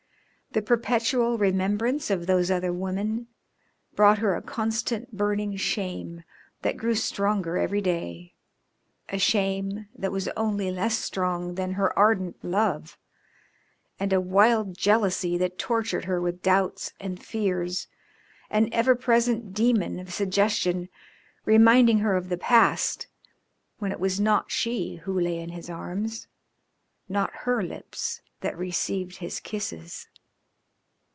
The perpetual remembrance of those other woman brought her a constant burning shame that grew stronger every day, a shame that was only less strong than her ardent love, and a wild jealousy that tortured her with doubts and fears, an ever present demon of suggestion reminding her of the past when it was not she who lay in his arms, nor her lips that received his kisses.